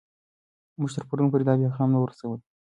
موږ تر پرون پورې دا پیغام نه و رسوولی.